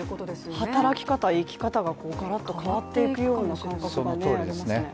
働き方、生き方ががらっと変わっていくような感覚がありますね。